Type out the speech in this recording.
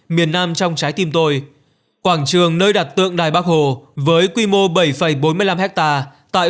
miền nam trong trái tim tôi quảng trường nơi đặt tượng đài bắc hồ với quy mô bảy bốn mươi năm hectare tại